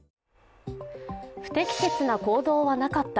不適切な行動はなかった。